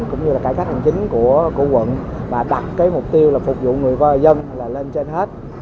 cũng như cải cách hành chính của quận và đặt mục tiêu phục vụ người dân lên trên hết